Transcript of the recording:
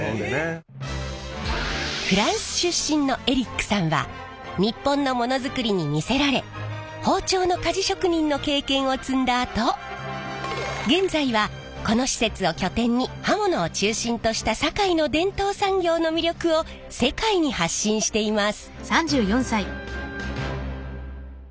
フランス出身のエリックさんは日本のものづくりに魅せられ包丁の鍛冶職人の経験を積んだあと現在はこの施設を拠点に刃物を中心とした堺の伝統産業の魅力を世界に発信しています！